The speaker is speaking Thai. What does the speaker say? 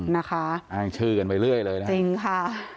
นะคะชื่อกันไปเรื่อยเลยจริงค่ะ